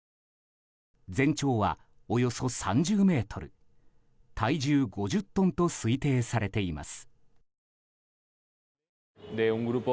全長はおよそ３０ｍ体重５０トンと推定されています。